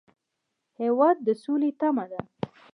هېواد د سولې تمه ده.